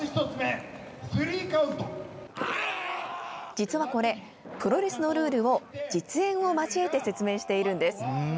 実はこれプロレスのルールを実演を交えて説明しているんです。